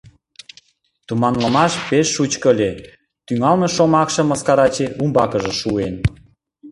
— Туманлымаш пеш шучко ыле, — тӱҥалме шомакшым мыскараче умбакыже шуен.